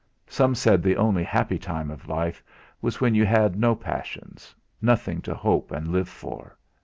Some said the only happy time of life was when you had no passions, nothing to hope and live for.